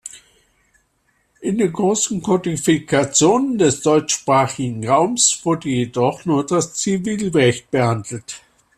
In den großen Kodifikationen des deutschsprachigen Raums wurde jedoch nur das Zivilrecht behandelt.